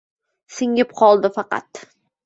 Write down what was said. Singib qoldi faqat